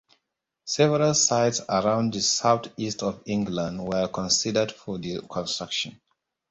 Several sites around the south-east of England were considered for the construction.